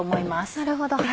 なるほど。